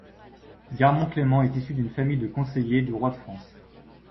Garmond Clément est issu d'une famille de conseillers du roi de France.